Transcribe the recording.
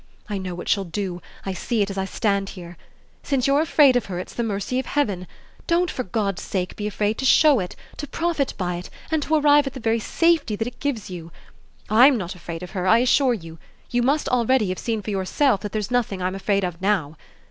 I know what she'll do I see it as I stand here. Since you're afraid of her it's the mercy of heaven. Don't, for God's sake, be afraid to show it, to profit by it and to arrive at the very safety that it gives you. I'M not afraid of her, I assure you; you must already have seen for yourself that there's nothing I'm afraid of now.